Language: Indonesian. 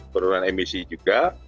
perurahan emisi juga